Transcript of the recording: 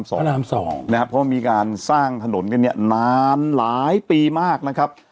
เพราะมีการสร้างถนนกันเนี่ยนานหลายปีมากนะครับ